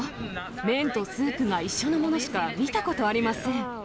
麺とスープが一緒のものしか見たことありません。